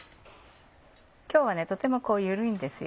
今日はとても緩いんですよ。